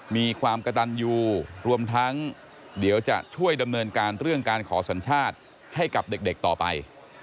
มีความกระตันยูรวมทั้งเดี๋ยวจะช่วยดำเนินการเรื่องการขอสัญชาติให้กับเด็กต่อไป